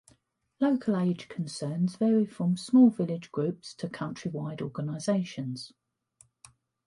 Local Age Concerns vary from small village groups to countywide organisations.